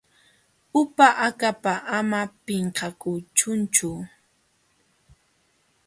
Upa akapa ama pinqakuchunchu.